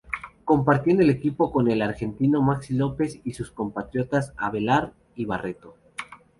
Compartiendo el equipo con el argentino Maxi Lopez y sus compatriotas Avelar y Barreto.